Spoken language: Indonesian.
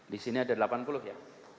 di sini ada delapan puluh ya